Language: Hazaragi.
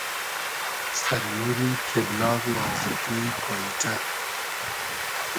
سئر میری کېبلاغی آزرگی کۉیݖۂ